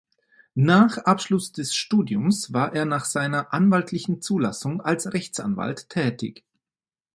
Nach Abschluss des Studiums war er nach seiner anwaltlichen Zulassung als Rechtsanwalt tätig.